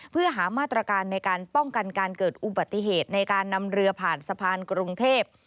เพื่อหามาตรการในการป้องกันการเกิดอุบัติเหตุในการนำเรือผ่านสะพานกรุงเทพ